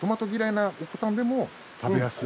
なお子さんでも食べやすい。